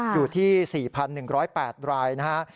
อยู่ที่๔๑๐๘รายนะฮะ